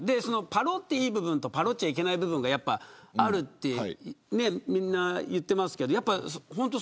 パロっていい部分とパロっちゃいけない部分があるとみんな言っていますけど本当